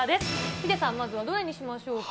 ヒデさん、まずどれにしましょうか。